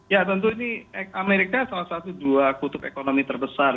ya tentu ini amerika salah satu dua kutub ekonomi terbesar